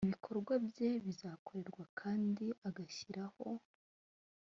ibikorwa bye bizakorerwa kandi agashyiraho